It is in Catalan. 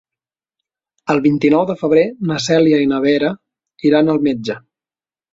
El vint-i-nou de febrer na Cèlia i na Vera iran al metge.